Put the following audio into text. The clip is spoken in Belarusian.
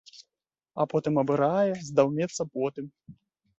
А потым абырае, здаўмеецца потым.